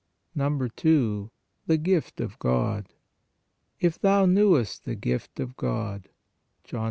2. THE GIFT OF GOD " If thou knewest the gift of God" (John 4.